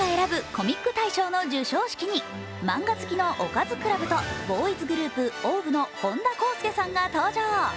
コミック大賞の授賞式に漫画好きのおかずクラブとボーイズグループ・ＯＷＶの本田康祐さんが登場。